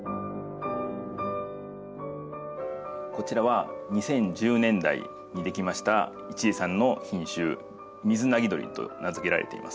こちらは２０１０年代に出来ました一江さんの品種「水凪鳥」と名付けられています。